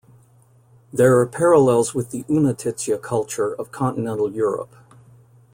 There are parallels with the Unetice culture of continental Europe.